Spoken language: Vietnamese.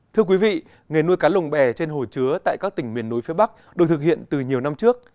thưa quý vị nghề nuôi cá lồng bè trên hồ chứa tại các tỉnh miền núi phía bắc được thực hiện từ nhiều năm trước